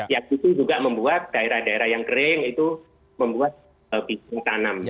yang itu juga membuat daerah daerah yang kering itu membuat bisa tanam